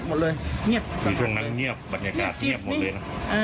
ช่วงนั้นเงียบบรรยากาศเงียบหมดเลย